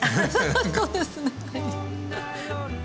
そうですね。